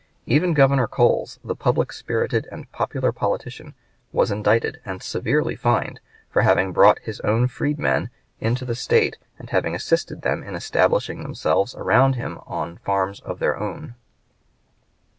Even Governor Coles, the public spirited and popular politician, was indicted and severely fined for having brought his own freedmen into the State and having assisted them in establishing themselves around him upon farms of their own.